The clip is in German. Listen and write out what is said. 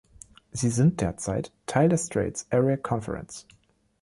Sie sind derzeit Teil der Straits Area Conference.